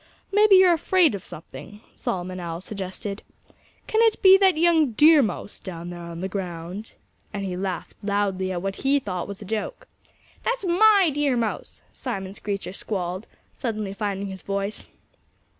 "Maybe you're afraid of something," Solomon Owl suggested. "Can it be that young Deer Mouse down there on the ground?" And he laughed loudly at what he thought was a joke. "That's my Deer Mouse!" Simon Screecher squalled, suddenly finding his voice.